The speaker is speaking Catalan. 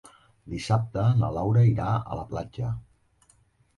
Dissabte na Laura irà a la platja.